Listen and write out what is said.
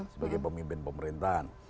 sebagai pemimpin pemerintahan